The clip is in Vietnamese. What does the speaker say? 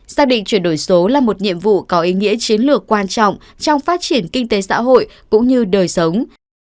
xác định chuyển đổi số là một nhiệm vụ có ý nghĩa chiến lược quan trọng trong phát triển kinh tế xã hội cũng như đời sống